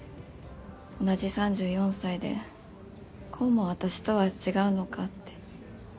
同じ３４歳でこうも私とは違うのかって。